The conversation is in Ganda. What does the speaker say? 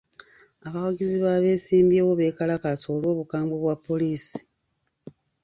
Abawagizi b'abeesimbyewo beekalakaasa olw'obukambwe bwa poliisi.